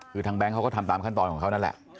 คือทางแบงค์เขาก็ทำตามขั้นตอนของเขานั่นแหละ